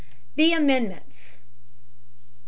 THE AMENDMENTS. I.